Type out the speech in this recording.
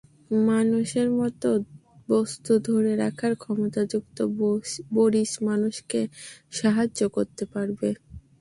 মানুষের মতো বস্তু ধরে রাখার ক্ষমতাযুক্ত বরিস মানুষকে সাহায্য করতে পারবে।